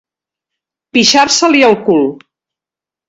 Pixar-se-li al cul.